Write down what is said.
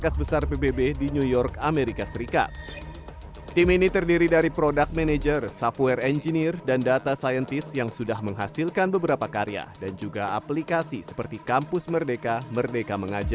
sekarang kita memiliki empat ratus orang sebagai tim bayangan